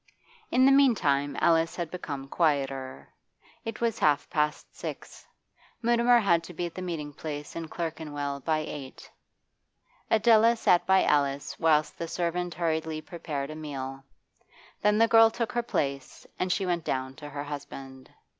In the meantime Alice had become quieter. It was half past six; Mutimer had to be at the meeting place in Clerkenwell by eight. Adela sat by Alice whilst the servant hurriedly prepared a meal; then the girl took her place, and she went down to her husband.